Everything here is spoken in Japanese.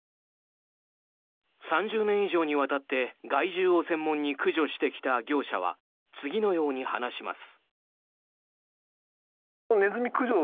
３０年以上にわたって害獣を専門に駆除してきた業者は次のように話します。